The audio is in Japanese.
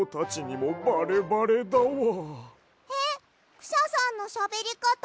クシャさんのしゃべりかた